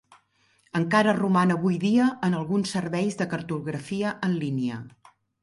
Encara roman avui dia en alguns serveis de cartografia en línia.